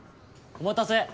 ・お待たせ！